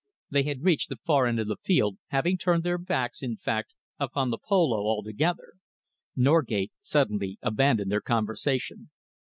They had reached the far end of the field, having turned their backs, in fact, upon the polo altogether. Norgate suddenly abandoned their conversation.